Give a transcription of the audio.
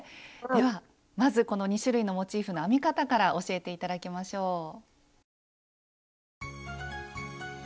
ではまずこの２種類のモチーフの編み方から教えて頂きましょう。